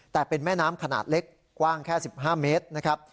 แต่เป็นแม่น้ำขนาดเล็กกว้างแค่๑๕เมตรนะครับ